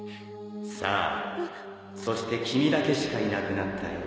さあそして君だけしかいなくなったよ